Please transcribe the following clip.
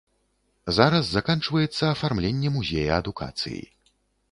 Зараз заканчваецца афармленне музея адукацыі.